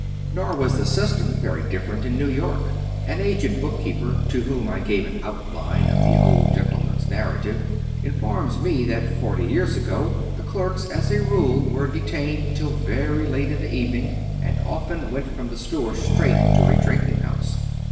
Nor was the system very different in New York. An aged book keeper, to whom I gave an outline of the old gentleman's narrative, informs me that forty years ago the clerks, as a rule, were detained till very late in the evening, and often went from the store straight to a drinking house.